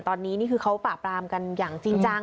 ตอนนี้นี่คือเขาปราบรามกันอย่างจริงจัง